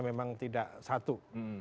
memang tidak satu